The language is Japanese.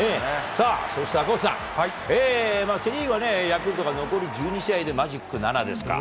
さあ、そして赤星さん、セ・リーグはね、ヤクルトが残り１２試合で、マジック７ですか。